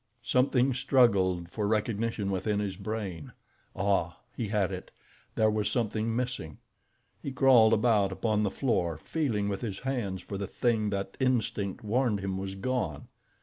Something struggled for recognition within his brain. Ah! he had it. There was something missing. He crawled about upon the floor, feeling with his hands for the thing that instinct warned him was gone.